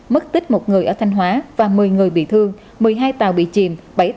mất tích một người ở thanh hóa và một mươi người bị thương một mươi hai tàu bị chìm bảy tàu ảnh hưởng